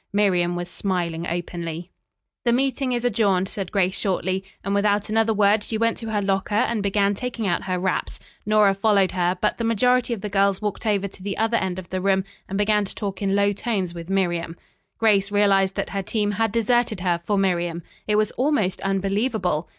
Miriam was smiling openly. "The meeting is adjourned," said Grace shortly, and without another word she went to her locker and began taking out her wraps. Nora followed her, but the majority of the girls walked over to the other end of the room and began to talk in low tones with Miriam. Grace realized that her team had deserted her for Miriam. It was almost unbelievable.